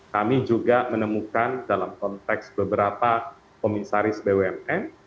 kami juga menemukan dalam konteks beberapa komisaris bumn